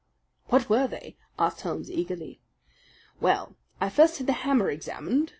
"What were they?" asked Holmes eagerly. "Well, I first had the hammer examined.